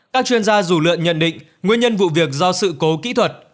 các chuyên gia dù lượn nhận định nguyên nhân vụ việc do sự cố kỹ thuật